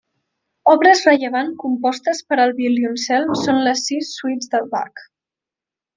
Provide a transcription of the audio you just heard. Obres rellevants compostes per al violoncel són les Sis suites de Bach.